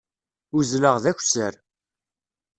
Uzzleɣ d akessar.